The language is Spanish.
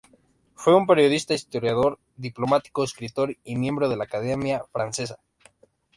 Fue un periodista, historiador, diplomático, escritor, y miembro de la Academia Francesa.